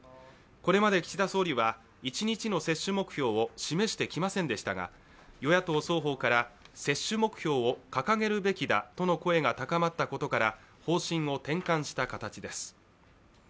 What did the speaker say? これまで岸田総理は一日の接種目標を示してきませんでしたが与野党双方から接種目標を掲げるべきだとの声が高まったことから方針を展開した形です。